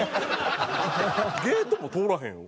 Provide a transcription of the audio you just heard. ゲートも通らへんよ